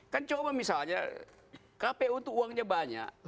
kan coba misalnya kpu itu uangnya banyak